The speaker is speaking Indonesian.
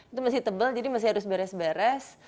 itu masih tebal jadi masih harus beres beres